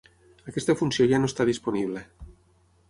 Aquesta funció ja no està disponible.